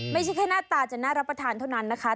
ไม่ใช่แค่หน้าตาจะน่ารับประทานเท่านั้นนะคะ